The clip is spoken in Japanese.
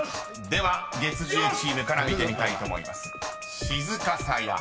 では月１０チームから見てみたいと思います］